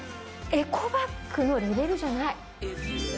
エコバッグのレベルじゃない。